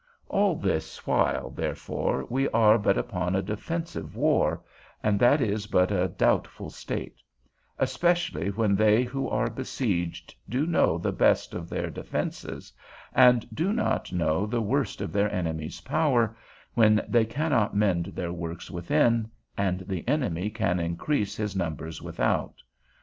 All this while, therefore, we are but upon a defensive war, and that is but a doubtful state; especially where they who are besieged do know the best of their defences, and do not know the worst of their enemy's power; when they cannot mend their works within, and the enemy can increase his numbers without.